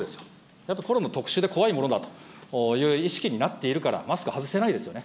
やっぱ、コロナは特殊で怖いものだという意識になっているから、マスク外せないですよね。